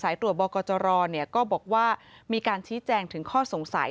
ตรวจบกจรก็บอกว่ามีการชี้แจงถึงข้อสงสัย